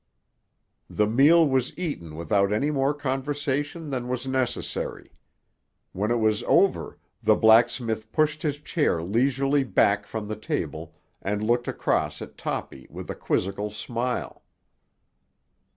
The meal was eaten without any more conversation than was necessary. When it was over, the blacksmith pushed his chair leisurely back from the table and looked across at Toppy with a quizzical smile.